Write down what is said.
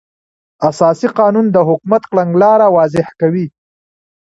اساسي قانون د حکومت کړنلاره واضح کوي.